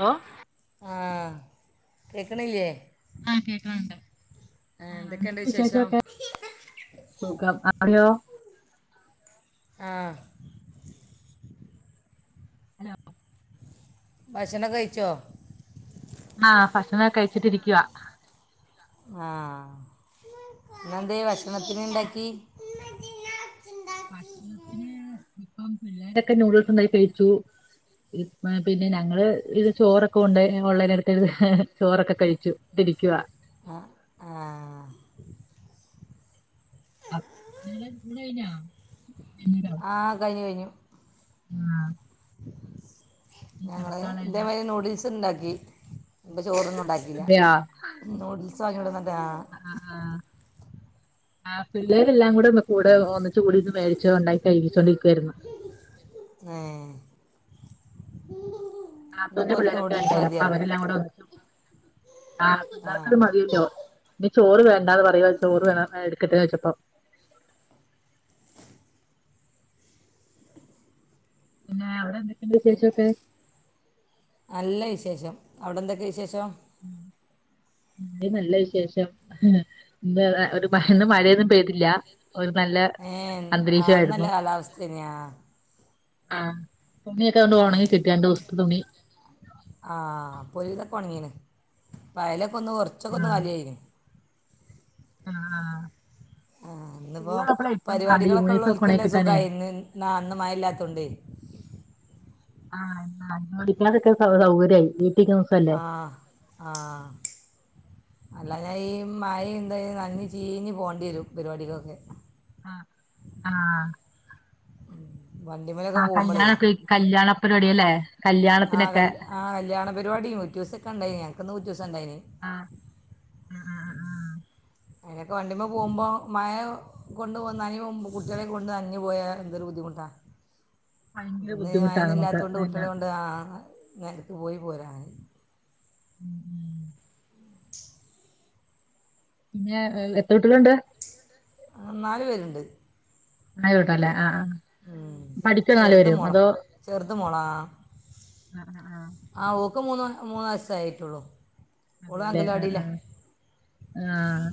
Hello ആഹ്, കേക്ക്ണില്ല്യെ? ആഹ്, കേക്ക്ണ് ണ്ട്. ആഹ് ന്താ എന്തൊക്കെയുണ്ട് വിശേഷം വിശേഷൊക്കെ? സുഖം. അവിടെയോ? ആഹ്. ഹലോ? ഭക്ഷണൊക്കെ കഴിച്ചോ? ആഹ്, ഭക്ഷണം കഴിച്ചിട്ടിരിക്കുവാ. ഹാഹ്, ഇന്നന്തേ ഭക്ഷണത്തിന്ണ്ടാക്കി? ഭക്ഷണത്തിന് ഇപ്പം പിള്ളേരൊക്കെ നൂഡിൽസ്ണ്ടാക്കി കഴിച്ചു. ഇപ്പ പിന്നെ ഞങ്ങള് ഇത് ചോറൊക്കെ ഉണ്ട് ഞങ്ങൾ ഓൺലൈനെടുത്തിര്ന്ന് ചോറൊക്കെ കഴിച്ചു ത്തിരിക്കുവാ ആ ആ അഹ്, [unintelligible] കയ്ഞ്ഞാ [unintelligible] ആഹ്, കഴിഞ്ഞു കഴിഞ്ഞു. ആഹ് ഇനി ഞങ്ങള് കെടക്കാള്ളെല്ലാ ഇതേമാരി നൂഡിൽസ്ണ്ടാക്കി. എൻ്റെ ചോറൊന്നും ഉണ്ടാ ഇല്ല്യ. അതെയാ നൂഡിൽസ് വാങ്ങി കൊടന്ന് രാ ആഹ്, ആഹ് ആഹ്, പിള്ളേരെല്ലാം കൂടെ വെ കൂടെ ഒന്നിച്ച്കൂടി ഇന്ന് മേടിച്ച് ഉണ്ടാക്കി കഴിച്ചുകോണ്ടിരിക്കുവാരുന്നു. ഏഹ് നാത്തൂന്റെ പിള്ളേരൊക്കെ ഉണ്ടേ അപ്പൊ അവരെല്ലാം കൂടെ ഒന്നിച്ചു ആഹ് ആ പിള്ളേർക്കരു മതിയല്ലോ ഇനി ചോറ് വേണ്ടാന്ന് പറയുവ ചോറ് വേണോ എട്ക്കട്ടേ ചോയ്ച്ചപ്പം പിന്നേ അവിടെന്തെ തിൻ നല്ല വിശേഷം, അവിടെ എന്തൊക്കെ വിശേഷം? വടിം നല്ല വിശേഷം. ഇന്നേത ഒരു മ ഇന്ന് മഴയൊന്നും പെയ്തില്ല്യ, ഒരു നല്ല ഏ ആ നല്ല അന്തരീക്ഷായ്ര്ന്നു. കാലാവസ്ഥ തന്നെയാ ആഹ്, തുണിയൊക്കെ ആണ്ട് ഒണങ്ങിക്കിട്ടി രണ്ട് ദുവസത്തെ തുണി ആഹ്, പ്പൊരു വിതൊക്കൊൺങ്ങീണ്. പ അയലൊക്കൊന്ന് കൊർച്ചൊക്കൊന്ന് ആഹ് കാലിആയീന് ആഹ്. ആഹ്, ന്ന്പ്പോ സ്കൂളുള്ളപ്പളാ ഏറ്റവും പാട് പരിവാടികളൊക്കെ യൂണിഫോം ഒക്കെ ഉണങ്ങി ള്ളോൽക്കല്ലേ കിട്ടാനേ സുഖായി. ന്ന് ന്നാ അന്ന് മഴ ഇല്ലാത്തോണ്ടെയ് ആഹ്, [unintelligible] സ സൗകര്യായി വീട്ടിലിരിക്കുന്ന ദിവസല്ലേ ആഹ്, ആഹ് അല്ലാഞ്ഞാ ഈ മഴിം തൊ നൻഞ്ഞ് ചീഞ്ഞ് പോണ്ട്യരും. പരിവാടിക്കൊക്കെ ആഹ്, ആഹ് വണ്ടിമേലൊക്കെ ആഹ് പോകുമ്പോഴേ കല്യാണക്കെ ഈ കല്യാണ പരിപാടി അല്ലെ കല്യാണത്തിനൊക്കെ ആഹ് കല്യാണ പരിപാടി ഉറ്റൂസൊക്കെ ഉണ്ടായിനി ഞങ്ങക്ക് ന്ന് ഉറ്റൂസണ്ടയ്നി ആഹ് ആഹ് ആഹ് ആഹ് അതിനൊക്കെ വണ്ടിമ്മ പോകുമ്പോ മയ കൊണ്ട് പോന്നാല് കുട്ടികാളെ കൊണ്ട് നനഞ്ഞ് പോയാല് എന്തരു ബുദ്ധിമുട്ടാ ഭയങ്കര അപ്പൊന്നീ ബുദ്ധിമുട്ടാ മായന്ന് നമുക്ക് ഇല്ലാത്ത കൊണ്ട് പിന്നെ കുട്ടികളെ കൊണ്ട് ആ നേരക്ക് പോയി പോര [inaudible] [unintelligible] പിന്നെ എത്ര കുട്ട്യാൾണ്ട് ആഹ് നാല് പേര്ണ്ട് ആയോട്ടല്ലേ ആഹ് ആഹ് ഉം പഠിക്കോ നാല് ചെറ്ത് പേരും മൊള അതോ ചെറ്ത് മൊളാ ആഹ് ആഹ് ആഹ് ഓക്ക് മൂന്ന് മൂന്ന് വയസ് ആയിട്ടുള്ളൂ അതെല്ലെ അഹ് ആഹ്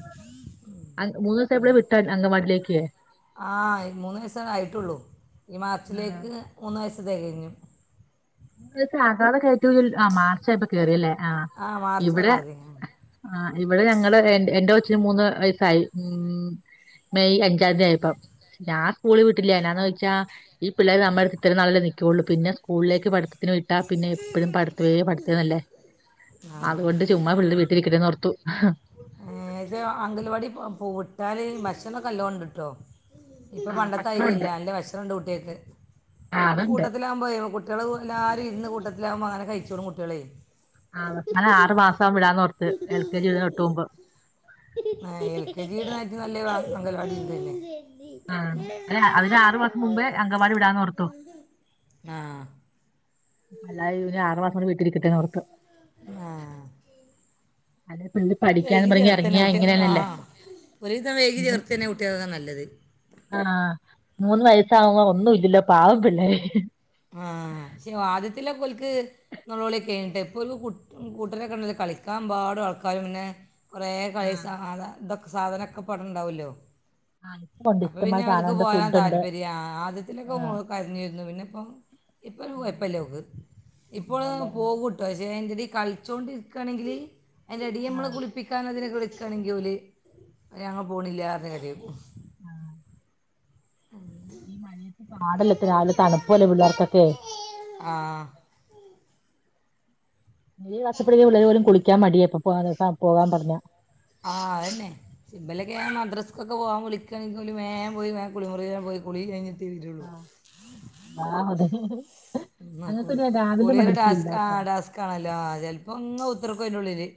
ആഹ് മൂന്ന് [unintelligible] വിട്ട അങ്കൻവാടിലേക്ക് ആഹ് മൂന്ന് വയസ്സേ ആയിട്ടുള്ളൂ ഈ ആഹ് മാർച്ചിലേക്ക് മൂന്ന് വയസ് തെകയ്ഞ്ഞു [unintelligible] ആഹ് മാർച്ച് ആയപ്പോ കേറിയല്ലേ ആഹ് ആ മാർച്ചായി ഇവടെ പോരെ ആഹ് ഇവിടെ ഞങ്ങള് എന്റെ കൊച്ച്ന് മൂന്ന് വയസ്സായി ഉം മെയ് അ [unintelligible] ഞാൻ സ്കൂള് വിട്ടില്ലാനാന്ന് ആ ചോയ്ച്ചാ ഈ പിള്ളേര് നമ്മടു ഇത്ര നാളല്ലെ നിക്ക്യുള്ളു പിന്നെ സ്കൂളിലേക്ക് പഠിത്തത്തിന് വേ [unintelligible] എപ്പഴും പഠ്ത്തേ പഠ്ത്തന്നല്ലേ ആ അതുകൊണ്ട് ചുമ്മാ പിള്ളില് വീട്ടിലിരിക്ക്ണ്ന്നോർത്തു ഏഹ് അംഗൽവാടി പൂ വിട്ടാല് ഭക്ഷണം ഒക്കെ നല്ലോണ്ട്ട്ടോ ഇപ്പൊ ആഹ് പണ്ടത്ത ആരി അല്ല. ഭക്ഷണമുണ്ട് നല്ല ഭക്ഷണം ഉണ്ട് കുട്ടിയാക്ക് ആ അതുണ്ട് കൂട്ടത്തി ലാവുമ്പോൾ കുട്ടിയാൾ എല്ലാരും ഇര്ന്ന് കൂട്ടത്തിലാവുമ്പോ അങ്ങനെ കഴിച്ചോളും കുട്ടിയാളയ് ആഹ് ഒര് ആറ് മാസം വിടാന്ന് ഓർത്ത് എൽ കെ ജി ൻ്റെ തൊട്ട് മുമ്പ് എൽ കെ ജി ല്ട്ണ‌ടായിട്ട് നല്ല [unintelligible] അങ്കൽവാടിൽ തന്നെ അല്ല അതിന് ആറ് മാസം മുമ്പേ അങ്കവാടി വിടാന്നോർത്തു ആഹ് അല്ല [unintelligible] ആറ് മാസം വീട്ടിലിരിക്കട്ടെ ന്ന് ഓർത്ത് ആഹ് അല്ലെ പിള്ളേര് പഠിക്കാന്ന് വൈകി പറഞ്ഞ് ചേർത്തന്നെ ഇറങ്ങിയാ കുട്ടി [unintelligible] ഇങ്ങനെയാണല്ലേ ആഹ് ഒരുവിധം വൈകി ചേർത്ത് തന്നെ കുട്ടിയാൾക്ക് ഒക്കെ നല്ലത് ആഹ് മൂന്ന് വയസ ആവുമ്പോൾ ഒന്നും ഇല്ലല്ലോ പാവം പിള്ളേര് ആഹ് പക്ഷെ ആദ്യത്തിലൊക്കെ ഓൽക്ക് നൊളോളി ഒക്കെയ്‌നിപ്പൊ ഒരു കൂട്ടര് ഒക്കെ ഉണ്ടല്ലോ കളിക്കാൻ എമ്പാടും ആൾക്കാരും പിന്നെ കൊറേ കളി ആഹ് സാധ ഇതൊക്കെ സാധനൊക്കെ ഇപ്പ അവ്ടെണ്ടാവല്ലോ ഉണ്ട് അപ്പൊ പിന്നെ ഇഷ്ടംമാതിരി അവർക്ക് സാധനമുണ്ട് പോകാൻ ഫുഡുണ്ട് താല്പര്യാ ആദ്യത്തിലൊക്കെ ആഹ് മോള് കര്ഞ്ഞിരുന്നു പിന്നെ ഇപ്പൊ ഇപ്പ ഒരു കൊഴ്പ്പല്ല ഓക്ക് ഇപ്പൊ ഓള് അതെല്ലേ പോകൂ പക്ഷെ അയ്ൻ്റടി കളിച്ചോണ്ടിരിക്കാണെങ്കില് അയ്ന്റടിയിൽ നമ്മള് ആഹ് കുളി പ്പിക്കാനോ ഇതിനൊക്കെ വിളിക്കാണെങ്കിൽ ഓല് ഞങ്ങൾ പോണില്ലാർഞ് കരയും. ആഹ് ഈ മഴയത്ത് പാടല്ലട്ട രാവിലെ തണുപ്പു അല്ലേ പിള്ളേർക്കൊക്കെ ആഹ് [unintelligible] കുളിക്കാ മടിയ ഇപ്പോ പോവാൻ പർ പോവാൻ പറഞ്ഞ ആഹ അതെന്നെ ഇവ ലെക്കെ മദ്രസ്ക്കൊക്കെ പോകാൻ വിളിക്കണെങ്ക ഓല് വേഗംപോയി വേഗം കുളിമുറ പോയി കുളി കഴിഞ്ഞി തീരുയുള്ളു [unintelligible] ഞങ്ങക്ക് പിന്നെ രാവിലെ കുളിയ ഒരു ഡാസ്ക് ആ മദ്രസയില്ലാട്ടോ ഡസ്ക് കാണല്ലോ ചിലപ്പോ ഇങ്ങനെ കുത്തിയിരിക്കും അതിന്റെ ഉള്ളില്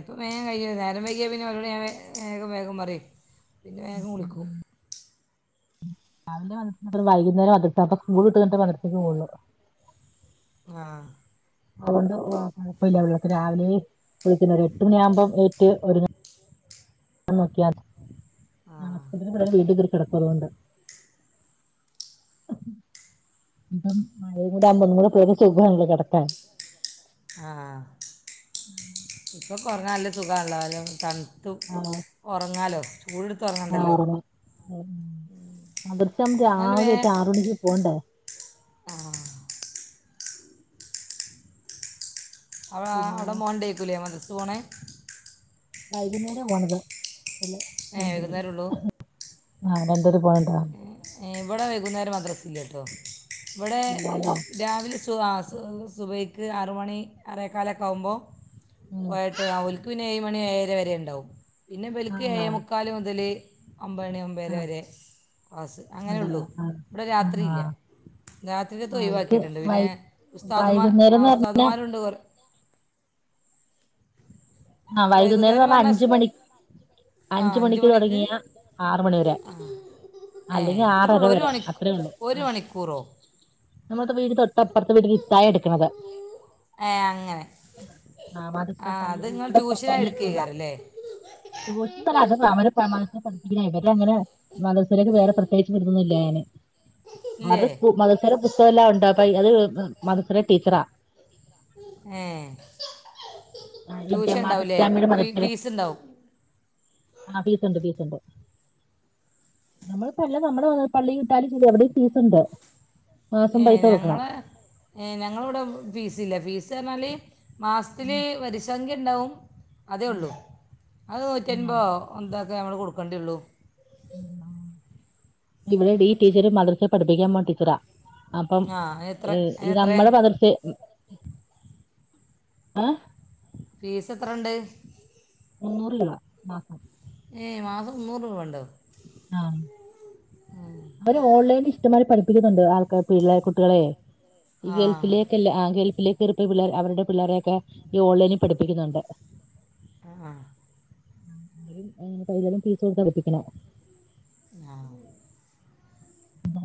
ഇപ്പം വേഗം കഴിക്ക നേരം വൈകിയാൽ പിന്നെ വളടെ ഞാൻ വേഗം വേഗം പറയും പിന്നെ കുളിക്കും രാവിലെ വന്ന വൈകുന്നേരം വന്നട്ട അപ്പ സ്കൂൾ വിട്ടിട്ട് മദ്രസയ്ക്ക് പോകുള്ളൂ ആഹ അതുകൊണ്ട് കുഴപ്പമില്ലള്ളെ രാവിലെ വിളിക്കുന്ന എട്ട് മണിയാവകുമ്പോം ഏ ഒരു ആ [unintelligible] കിടക്കറൊണ്ട് ഇപ്പ മഴയും കൂടെ അല്ലെ ഒന്നും കൂടെ സുഖാണ് കിടക്കാൻ ആഹ ഇപ്പ കുറഞ് [unintelligible] നല്ല സുഖ ഉള്ളാലും ത ഉറങ്ങാലോ ചൂടുത്ത് ആഹ ഉറങ്ങാ എന്നാലും രാവിലെ ഒറ്റ ആറ മണിക്ക് പോകണ്ടേ ആഹാ അ ഹ പിന്നെ അവിടെ മോൻ ഉണ്ടാരിക്കൂലെ മദ്രസ പോണെ വൈകുന്നേരം പോണത് അല്ല ഏ വൈകുന്നേരം ഉള്ളൂ ആഹ [unintelligible] പോണ്ടാ ഇവിടെ വൈകുന്നേരം മദ്രസല്ലട്ടോ ഇവിടെ ഇല്ലാല്ലേ രാവിലെ സ സുബയ്ക്ക് ആറ മണി അറേക്കാലൊക്കെ ആവുമ്പോ ഉം പോയട്ട് ആ ഒൽക്ക് പിന്നെ ഏഴുമണി ഏഴര മണി വരെ ഉണ്ടാവും പിന്നെ ഇവൽക്കെ ആഹ് എഴ് മുക്കാലെ മുതല് ഒമ്പ മണി ആ ഒമ്പരെ സ് ക്ലാസ്സ് അങ്ങനെ ഉണ്ടല്ലോ ഉള്ളൂ ആ ഇവിടെ ആ രാത്രിയില്ല രാത്രി ത്തത് ആ ഇത് ഒഴിവാക്കിയിട്ടുണ്ട് വൈ പിന്നെസ്താമാർ അഹ വൈകുന്നേരംന്ന് പറഞ്ഞ ഉസ്താമാരു [unintelligible] ആഹ വൈകുന്നേരം പറഞ്ഞ അഞ്ച മണി ആ അഞ്ച അഞ്ച് മണിക്ക് തുടങ്ങിയാ ആറ മണിവരെ ഏ അല്ലെങ്കി അത്രേ ആറര ഉള്ളൂ ഒരു വരെ മണി അത്രേ ഉള്ളു ഒരു ആ ഹ മണിക്കൂറോ നമ്മളുടെ വീട് തൊട്ടപ്പുറത്തെ വീട്ടില് തായേ എടുക്കുന്നത്. ഏ അങ്ങനെ ആ മദ്രസ ആഹ പള്ളി അത് നിങ്ങൾ ഇവിടെ ടുഷനായി പള്ളിക്ക് എടുക്ക മുന്നിലാ യ്ക്കാരല്ലേ. [unintelligible] മദ്രസയിലേക്ക് വേറെ പ്രത്യേകിച്ച് ഒന്നും ഇല്ലേയ ഇല്ലേ മദ്രസ പുസ്തകമല്ലാം ഉണ്ട പ അത് മദ്രസയില് ടീച്ചറാ ഏ ഹ ആ, ഈ ട്യൂഷൻ ജമാഅത്ത് ഉണ്ടാവൂലേ ഇസ്ലാമിയുടെ ഫീസ് ഉണ്ടാവും. ആഹ പീസ് ഉണ്ട് പീസ് ഉണ്ട് നമ്മള്ല്ല നമ്മടെ [unintelligible] പള്ളി വിട്ടാലും ശരി എവിടെയും ഫീസ് ഉണ്ട് മാസം ഏ് പൈസ ഞങ്ങ കൊടുക്കണം ഏ ഞങ്ങളിവിടെ ഫീസ് ഇല്ല ഫീസ് റഞ്ഞാല്. ഉം മാസത്തില് വരിസംഖ്യ ഉണ്ടാവും അതേ ഉള്ളൂ അത് ഉം ആഹ് നൂറ്റിൻപോ'' എന്തൊക്കെ നമ്മൾ കൊടുക്കേണ്ടേ ഉള്ളൂ. ഇവടെ ഈ ടീച്ചർ [unintelligible] പഠിപ്പിക്കാൻ പോന്ന ടിച്ചറാ അപ്പം ആ അതിനെത്ര അതിനെത്ര നമ്മള മദ്രസ ആഹ ഫീസ് എത്ര ഇണ്ട്. മുന്നൂർ രൂപ മാസം. ഏയ് മാസം മുന്നൂറ് രൂപ ഉണ്ടോ ആഹ അവര് ഓൺലൈനിൽ ഇഷ്ടമാതിരി പഠിപ്പിക്കുന്നുണ്ട് ആൾക്കാർ പിള്ളെ കുട്ടികളെ. ഈ ആ ഗൾഫിലേക്കല്ല ഗൾഫിലേക്ക് എറപ്പള്ളേ അവരുടെ പിള്ളേരെ ക്കെ ഈ ഓൺലൈനിൽ പഠിപ്പിക്കുന്നുണ്ട് ആഹ് ആഹ് ഈ തയ്യലും ഫിസോടുത്ത് അടുപ്പിക്കലാണൊ ആഹ്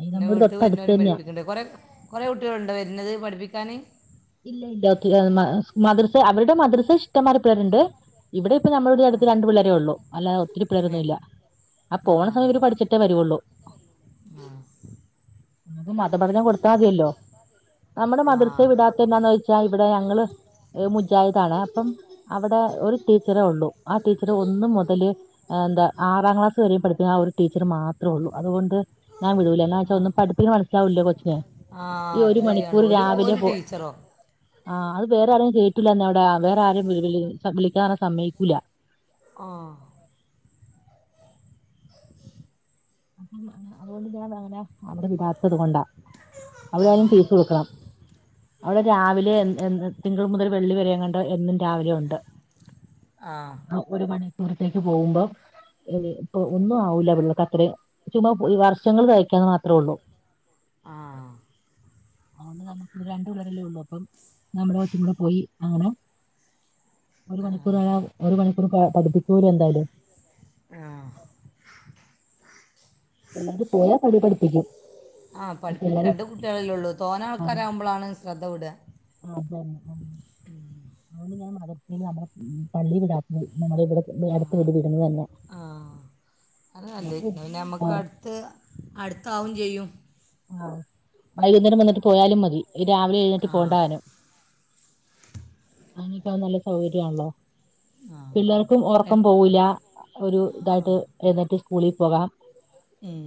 പിന്നെ നമ്മുടെ വീട്ട് തൊട്ടടുത്ത് വരുന്നവരേ തന്നെയാ പഠിപ്പിക്കണ്ട് കൊറെ കുറെ കുട്ടികൾ ഉണ്ടോ വരുന്നത് പഠിപ്പിക്കാന് ഇല്ല ഇല്ല ത് മ മദ്രസ് അവരുടെ മദ്രസ ഇഷ്ടമാതി പേരുണ്ട് ഇവിടെ ഇപ്പ നമ്മളുടെ ആ അടുത്ത് രണ്ട് പിള്ളേരെ ഉള്ളൂ അല്ലാതെ ഒത്തിരി ഏ, പേള്ളേരൊന്നും ഇല്ല ആ പോണ സമയം ഇര് പഠിച്ചിട്ടേ വരുവുള്ളൂ ആ, നമ്മക്ക് മതപഠനം കൊടുത്താതില്ലോ നമ്മുടെ ആ മദർസേ വിടാത്തെ എന്താന്ന് വെച്ചാ ഇവിടെ ഞങ്ങള് ഏഹ് മുജാഹിദാണ് അപ്പം അവിടെ ഒരു ടീച്ചറേ ഉള്ളൂ ആ ടീച്ചർ ഒന്ന മുതല് എന്താ ആറാം ക്ലാസ് വരെയും പഠിക്കുന്ന ആ ഒരു ടീച്ചർ മാത്രേ ഉള്ളൂ അതുകൊണ്ട് ഞാൻ വിടൂല എന്നാച്ചഒന്നും പഠിപ്പികുന്നെ മനസാവൂല്ല കൊച്ച്ന് ആഹ് അത് ശരിയാണ് ഒരു ഒരു ടീച്ചറോ ആഹ് അത് വേറെ ആരെയും കേയ്റ്റില്ല അവിടെ വേറെ ആരെയും വി വിളിക്കാ സമ്മയ്ക്കുല്ല ആഹ് അതുകൊണ്ട് ഞാൻ അതെങ്ങനെ അവിടെ ഇല്ലാത്തത് കൊണ്ടാ അവിടെയാലും ഫീസ് കൊടുക്കണം അവിടെ രാവിലെ എ തിങ്കൾ മുതൽ വെള്ളി വര എങ്ങാണ്ട് എന്നും രാവിലെ ഉണ്ട് ആ ഒരു മണിക്കൂറത്തേക്ക് പോകുമ്പോം ഇപ്പൊ ഒന്നും ആവൂല്ല പിള്ളക്ക അത്രയും ചുമ്മാപോയി വർഷങ്ങൾ കഴിക്കാന്ന് മാത്രേ ഉള്ളൂ ആഹ് [inaudible] അത്കൊണ്ട് നമുക്ക് ഇവിടെ രണ്ടു പിള്ളാരല്ലേ ഉള്ളൂ അപ്പം നമ്മുടെ കൊച്ചും കൂടെ പോയി അങ്ങനെ ഒരു മണിക്കൂർ ആയാ ഒരു മണിക്കൂർ പഠിപ്പിക്കൂലെ എന്തായാലും ആഹ് [unintelligible] പഠിപ്പിക്കും ആഹ് പഠിപ്പിക്ക പിള്ളേര് രണ്ട് കുട്ടികളല്ലെ ഉള്ളൂ തോനെ ആൾക്കാരാവകുമ്പോളാണ് ശ്രദ്ധ വിടാ വിടഅ. അതന്നെ ആഹ് അതുകൊണ്ട് ഞാൻ മദ്രസേൽ നമ്മുടെ പള്ളി വിടാതെ നമ്മുടെ ഇവിടെ നീ ആ അടുത്ത് വെടി വിടുന്നത് തന്നെ ആ അഹ് ആഹ് ത്ത് അടുത്താവും ചെയ്യും ആഹ് വൈകുന്നേരം വന്നിട്ട് പോയാലും മതി രാവിലെ എഴുന്നിട്ട് ആ പോണ്ടാനും അങ്ങനക്ക നല്ല സൗകരണല്ലോ ആ പിള്ളേർക്കും ഉറക്കം എൻ- പോവൂല്ല ഒരു ഇതായിട്ട് എയുന്നെറ്റ് സ്കൂളിപോകാം ഉം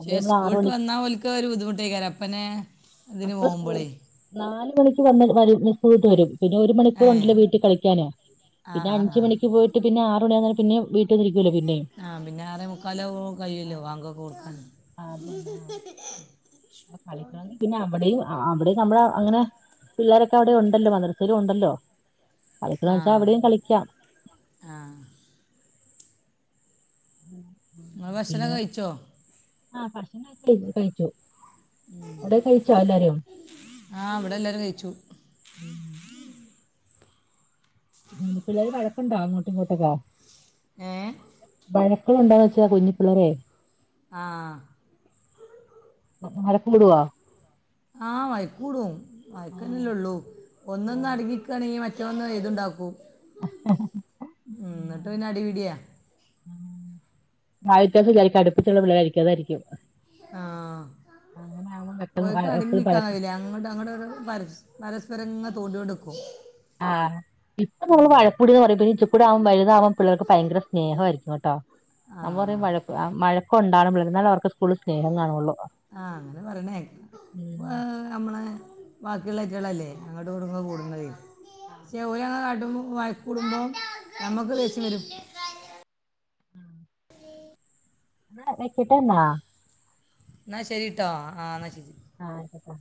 ക്ഷേ നമ്മൾ ആറ് സ്കൂൾട്ട് മണി വന്നാ ഓൽക് ഒരു ബുദ്ധിമുട്ടയ്ക്കാരം അപ്പനെ ഇതിന് അപ്പ സ്കൂൾ പോകുമ്പോഴേ നാല് മണിക്ക് വന്ന് വരും സ്കൂള്ട്ട് വരും പിന്നെ ഒരു മണിക്കൂർണ്ടല്ലോ ഏ വീട്ടി കളിക്കാന് ആ പിന്നെ ആ അഞ്ചി ആ മണിക്ക് പോയിട്ട് പിന്നെ ആറ് മണിആവുന്നേരം പിന്നെ വീ ആഹ പിന്നെ ആറെ മുക്കാലോ കഴില്ലോ ബാങ്കൊക്കെ കൊടുക്കാന് ആതെന്നെ കളിക്കണെങ്കി പിന്നെ അവിടെയും അവിടെ നമ്മടെ അങ്ങനെ പിള്ളോരൊക്കെ അവിടെ ഉണ്ടല്ലോ മദ്രസേലുംണ്ടല്ലോ കളിക്കണ വെച്ചാൽ അവിടെയും കളിക്കാം ആഹ് ഉം ഇങ്ങള്. ഭക്ഷണക്ക കഴിച്ചോ ആ ഭക്ഷണക്കെ കഴി കഴിച്ചു ഉം അവിടെ കഴിച്ചോ എല്ലാരും ആ ഇവടെ എല്ലാരും കഴിച്ചു ഉം ഉം പിള്ളേര് വഴക്കുണ്ടോ അങ്ങോട്ട് ഇങ്ങോട്ടെക്കെ ഏ വഴക്ക്കളുണ്ടോന്ന് വെച്ചാ കുഞ്ഞി പിള്ളെരെ ആ വഴക്ക് കൂടോ ആ വഴക്കൂടും വഴക്കന്നല്ലേ ഒള്ളൂ ഒന്നൊന്ന് അടങ്ങിക്കാണെങ്കി മറ്റൊന്ന് ഏതുണ്ടാക്കും ഉം ന്നട്ട് പിന്നെ അടിപിടിയാ ആ [unintelligible] വിചാരിക്ക അടുപ്പിച്ചുള്ള പിള്ളായിരിക്കും അതായിരിക്കും ആ അങ്ങനെ ആവുമ്പം പെട്ടെന്ന് ഓൽക് വഴ എപ്പഴും വഴക്ക് അടങ്ങിക്കാവില്ല അങ്ങട്ട് അങ്ങോട്ട് ഇങ്ങോട്ട് പരസ് പരസ്പരങ്ങ തോണ്ടിയൊണ്ട്ക്കും ആ ഇപ്പം നമ്മള് വഴക്കൂടന്ന് പറയും [unintelligible] ആവും വൽതാവമ്പം പിള്ളേർക്ക് ഭയങ്കര സ്നേഹായിരിക്കും കേട്ടോ ആ കൊറേ വയ മഴക്കുണ്ടാവണം പിള്ളേർക്ക് ഇന്നാലേ അവർക്ക് സ്കൂളിൽ സ്നേഹം കാണുള്ളൂ ആ അങ്ങനെ പറിണേക്ക ഇപ്പൊ ഉം നമ്മളെ ബാക്കിള്ളെറ്റകളല്ലേ അങ്ങട്ട് ഇങ്ങട്ട് ഇങ്ങനെ. കൂടുന്നതെ പക്ഷേ ഓല് അങ്ങനെ കാട്ടുമ്പം വഴ കൂടുമ്പം നമ്മക്ക് ദേഷ്യം വരും ആ ന്നാ വെക്കട്ടെ ന്നാ ന്നാ ശരിട്ടോ ആ ന്നാ ശരി ആ അയ്ക്കോട്ട